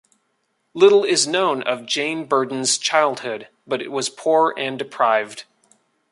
Little is known of Jane Burden's childhood, but it was poor and deprived.